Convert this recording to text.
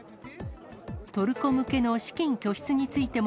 トルコ向けの資金拠出についても